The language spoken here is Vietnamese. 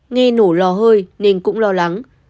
nghe nổ lò hơi nên cũng lo lắng